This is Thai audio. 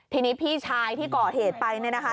ทีนี้พี่ชายที่ก่อเหตุไปเนี่ยนะคะ